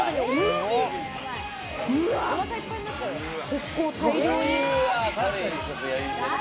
結構大量に。